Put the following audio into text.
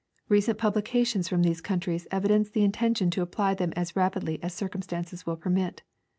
Recent publication.s from these countries evidence the intention to apply them as rapidly as circumstances Avill permit.